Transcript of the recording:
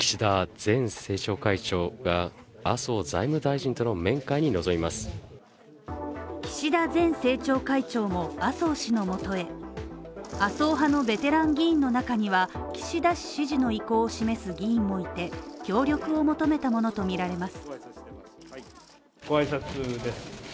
前政調会長も麻生氏のもとへ麻生派のベテラン議員の中には岸田氏支持の意向を示す議員もいて協力を求めたものと見られます